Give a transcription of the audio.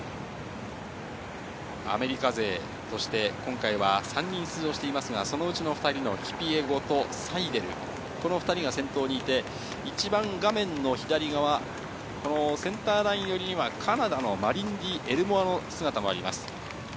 アメリカ勢として今回は３人出場していますが、そのうちの２人、キピエゴとサイデル、この２人が先頭にいて、一番画面の左側、センターラインよりにはカナダのマリンディ・エルモアの姿もあります。